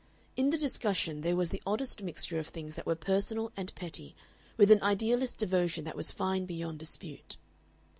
In the discussion there was the oddest mixture of things that were personal and petty with an idealist devotion that was fine beyond dispute.